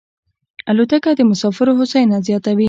الوتکه د مسافرو هوساینه زیاتوي.